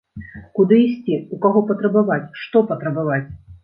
Куды ісці, у каго патрабаваць, што патрабаваць?!